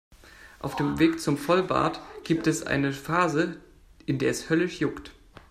Auf dem Weg zum Vollbart gibt es eine Phase, in der es höllisch juckt.